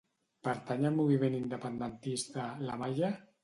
Pertany al moviment independentista l'Amaya?